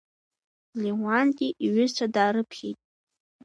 Леуанти иҩызцәа даарыԥхьеит.